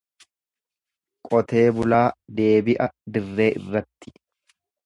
Qotee bulaa deebi'a dirree irratti.